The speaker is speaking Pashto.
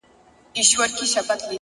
درد چي سړی سو له پرهار سره خبرې کوي،